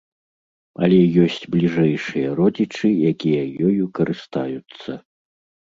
Але ёсць бліжэйшыя родзічы, якія ёю карыстаюцца.